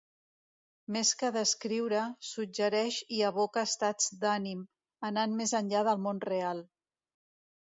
Més que descriure, suggereix i evoca estats d’ànim, anant més enllà del món real.